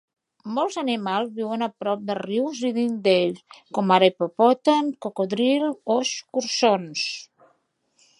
Molts animals viuen a prop de rius i dins d'ells, com ara hipopòtams, cocodrils o escurçons.